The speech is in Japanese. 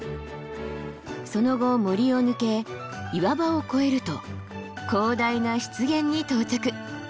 その後森を抜け岩場を越えると広大な湿原に到着。